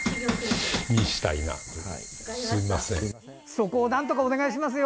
そこをなんとかお願いしますよ！